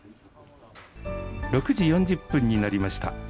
６時４０分になりました。